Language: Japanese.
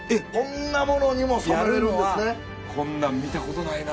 こんなん見たことないな。